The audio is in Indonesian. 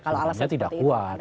alasannya tidak kuat